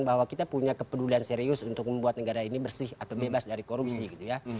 bahwa kita punya kepedulian serius untuk membuat negara ini bersih atau bebas dari korupsi gitu ya